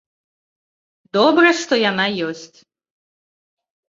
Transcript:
Добра, што яна ёсць.